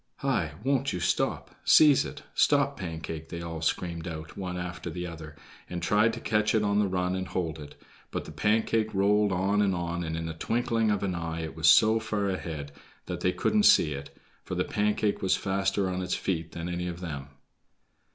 "Hi! won't you stop? Seize it. Stop, Pancake," they all screamed out, one after the other, and tried to catch it on the run and hold it; but the Pancake rolled on and on, and in the twinkling of an eye it was so far ahead that they couldn't see it, for the Pancake was faster on its feet than any of them.